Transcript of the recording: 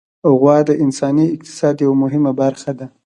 غوا د انساني اقتصاد یوه مهمه برخه ده.